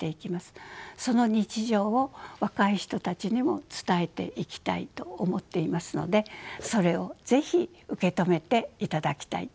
その日常を若い人たちにも伝えていきたいと思っていますのでそれを是非受け止めていただきたいと思います。